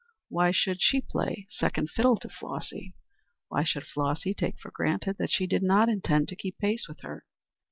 Why should she play second fiddle to Flossy? Why should Flossy take for granted that she did not intend to keep pace with her?